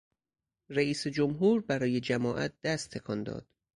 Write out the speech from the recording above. رئیس جمهور برای جماعت دست تکان داد.